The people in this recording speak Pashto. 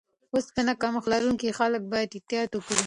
اوسپنه کمښت لرونکي خلک باید احتیاط وکړي.